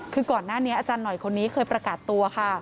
คือก่อนหน้านี้อาจารย์หน่อยคนนี้เคยประกาศตัวค่ะ